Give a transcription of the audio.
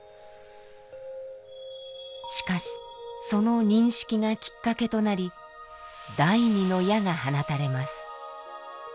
しかしその認識がきっかけとなり第２の矢が放たれます。